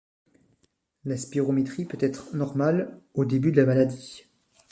La spirométrie peut être normale au début de la maladie.